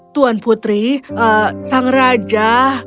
tuan putri sang raja